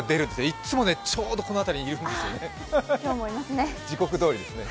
いっつも、ちょうどこの辺りにいるんですよね。